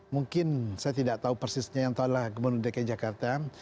mungkin saya tidak tahu persisnya yang tahu lah pembangunan pendidikan jakarta